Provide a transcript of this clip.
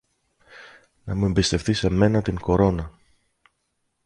να μου εμπιστευθείς εμένα την κορώνα